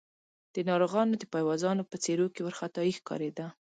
د ناروغانو د پيوازانو په څېرو کې وارخطايي ښکارېده.